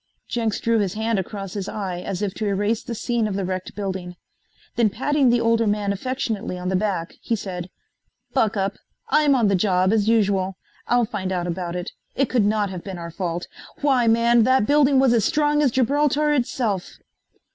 Jenks drew his hand across his eye as if to erase the scene of the wrecked building. Then patting the older man affectionately on the back he said: "Buck up. I'm on the job, as usual. I'll find out about it. It could not have been our fault. Why man, that building was as strong as Gibraltar itself!"